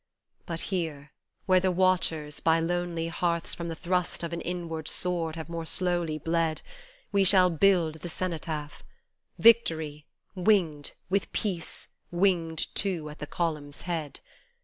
But here, where the watchers by lonely hearths from the thrust of an inward sword have more slowly bled, We shall build the Cenotaph : Victory, winged, with Peace, winged too, at the column's head.